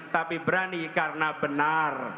tapi berani karena benar